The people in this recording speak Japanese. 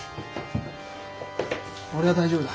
俺は大丈夫だ。